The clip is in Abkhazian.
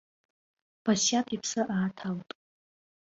Басиаҭ иԥсы ааҭалт.